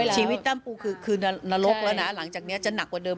ตั้มปูคือคืนนรกแล้วนะหลังจากนี้จะหนักกว่าเดิม